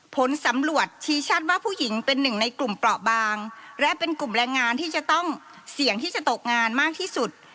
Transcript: ผลสำรวจชี้ชัดว่าผู้หญิงเป็นหนึ่งในกลุ่มเปราะบางและเป็นกลุ่มแรงงานที่จะต้องเสี่ยงที่จะตกงานมากที่สุด